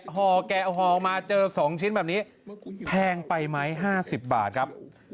ฮแกะออกมาเจอสองชิ้นแบบนี้แพงไปไหมห้าสิบบาทครับ